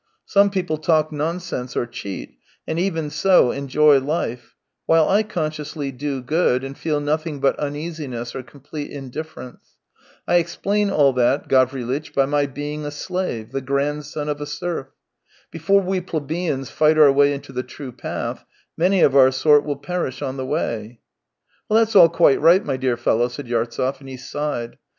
Some people talk nonsense or cheat, and even so enjoy life, while I consciously do good, and feel nothing but uneasiness or complete indifference. I explain all that, Gavrilitch, by my being a slave, the grandson of a serf. Before we plebeians fight our way into the true path, many of our sort will perish on the way." " That's ail quite right, my dear fellow," said Yartsev, and he sighed.